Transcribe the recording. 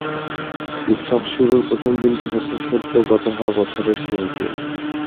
উৎসব শুরুর প্রথম দিনটি হচ্ছে সদ্য গত হওয়া বছরের শেষ দিন।